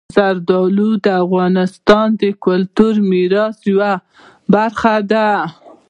زردالو د افغانستان د کلتوري میراث یوه برخه ده.